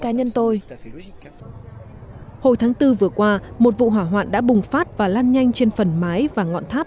cá nhân tôi hồi tháng bốn vừa qua một vụ hỏa hoạn đã bùng phát và lan nhanh trên phần mái và ngọn tháp